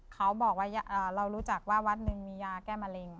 เขาบอกว่าเรารู้จักว่าวัดหนึ่งมียาแก้มะเร็ง